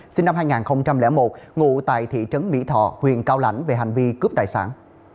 sinh năm hai nghìn một ngụ tại thị trấn mỹ thọ huyện cao lãnh về hành vi cướp tài sản